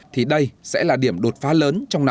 thì đây sẽ là điểm đột phá lớn trong năm hai nghìn hai mươi